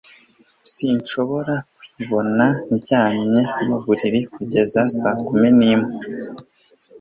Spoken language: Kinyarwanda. Sinshobora kwibona ndyamye mu buriri kugeza saa kumi nimwe